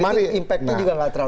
jadi impactnya juga nggak terlalu